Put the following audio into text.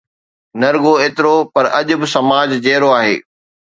نه رڳو ايترو پر اڄ به سماج جيئرو آهي.